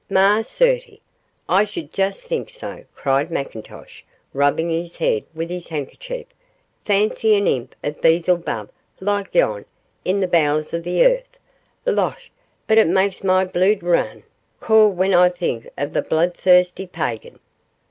'Ma certie, I should just think so,' cried McIntosh, rubbing his head with his handkerchief. 'Fancy an imp of Beelzebub like yon in the bowels o' the earth. Losh! but it macks my bluid rin cauld when I think o' the bluidthirsty pagan.